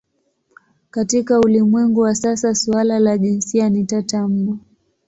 Katika ulimwengu wa sasa suala la jinsia ni tata mno.